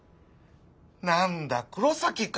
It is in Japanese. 何だ黒崎か！